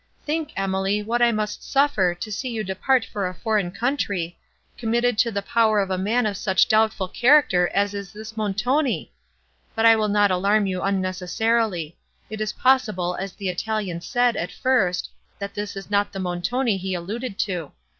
Think, Emily, what I must suffer to see you depart for a foreign country, committed to the power of a man of such doubtful character as is this Montoni! But I will not alarm you unnecessarily;—it is possible, as the Italian said, at first, that this is not the Montoni he alluded to.